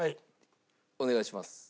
お願いします。